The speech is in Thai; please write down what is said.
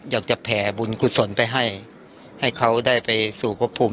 อยากจะแผ่บุญกุศลไปให้ให้เขาได้ไปสู่พระภูมิ